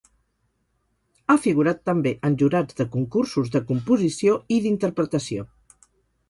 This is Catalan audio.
Ha figurat també en jurats de concursos de composició i d'interpretació.